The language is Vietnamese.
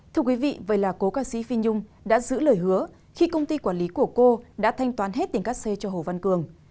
thưa quý vị vậy là cố ca sĩ phi nhung đã giữ lời hứa khi công ty quản lý của cô đã thanh toán hết tiền ca c cho hồ văn cường